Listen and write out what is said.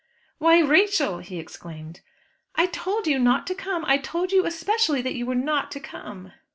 "Why, Rachel!" he exclaimed. "I told you not to come. I told you especially that you were not to come."